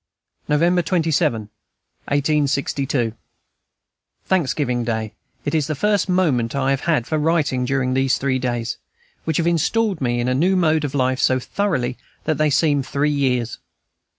November 27, 1862. Thanksgiving Day; it is the first moment I have had for writing during these three days, which have installed me into a new mode of life so thoroughly that they seem three years.